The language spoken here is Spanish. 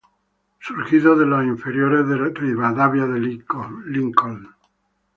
Surgido de las inferiores de Rivadavia de Lincoln.